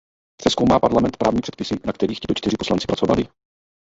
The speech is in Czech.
Přezkoumá Parlament právní předpisy, na kterých tito čtyři poslanci pracovali?